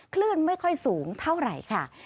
คลื่นไม่ค่อยสูงเท่าไหร่ค่ะ